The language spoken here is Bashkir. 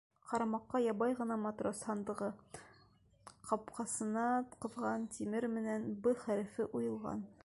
Ҡарамаҡҡа ябай ғына матрос һандығы, ҡапҡасына ҡыҙған тимер менән «Б» хәрефе уйылған.